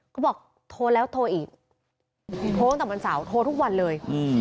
ก็บอกโทรแล้วโทรอีกโทรตั้งแต่วันเสาร์โทรทุกวันเลย